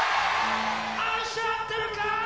愛し合ってるかい？